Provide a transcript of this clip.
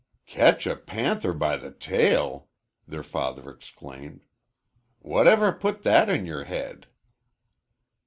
"Ketch a panther by the tail!" their father exclaimed. "Whatever put that in your head?"